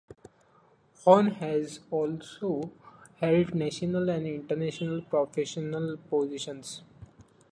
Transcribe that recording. Horn has also held national and international professional positions.